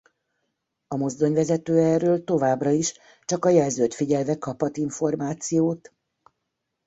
A mozdonyvezető erről továbbra is csak a jelzőt figyelve kaphat információt.